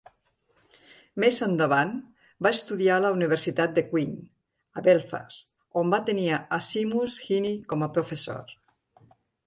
Més endavant, va estudiar a la Universitat de Queen, a Belfast, on va tenir a Seamus Heaney com a professor.